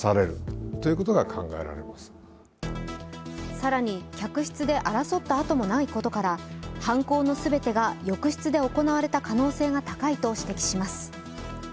更に、客室で争った跡もないことから犯行の全てが浴室で行われた可能性が高いと指摘します。